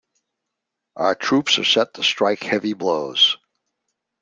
Our troops are set to strike heavy blows.